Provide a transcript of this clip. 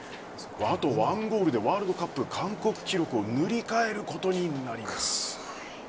あと１ゴールでワールドカップ韓国記録を塗り替えることになります。